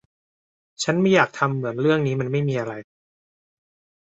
ฉันไม่อยากทำเหมือนเรื่องนี้มันไม่มีอะไร